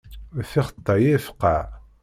D tixeṭṭay i ifeqqeɛ.